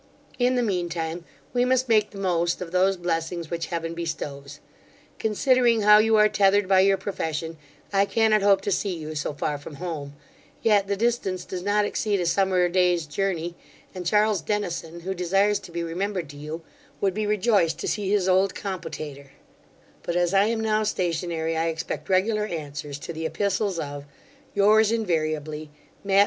In the mean time, we must make the most of those blessings which Heaven bestows. Considering how you are tethered by your profession, I cannot hope to see you so far from home; yet the distance does not exceed a summer day's journey, and Charles Dennison, who desires to be remembered to you, would be rejoiced to see his old compotator; but as I am now stationary, I expect regular answers to the epistles of Yours invariably, MATT.